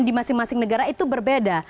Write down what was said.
di masing masing negara itu berbeda